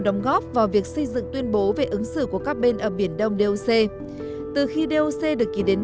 đóng góp vào việc xây dựng tuyên bố về ứng xử của các bên ở biển đông doc từ khi doc được ký đến